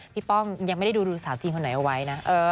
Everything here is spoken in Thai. ป้องยังไม่ได้ดูสาวจีนคนไหนเอาไว้นะ